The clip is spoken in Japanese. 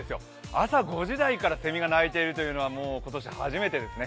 朝５時台からセミが鳴いているというのは今年初めてですね。